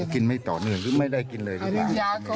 กินไม่ต่อเนื่องหรือไม่ได้กินเลยดีกว่า